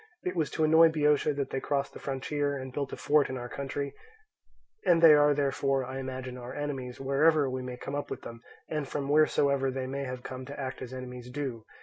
It was to annoy Boeotia that they crossed the frontier and built a fort in our country; and they are therefore, I imagine, our enemies wherever we may come up with them, and from wheresoever they may have come to act as enemies do.